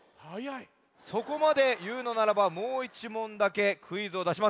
そこまでいうのならばもう１もんだけクイズをだしましょう。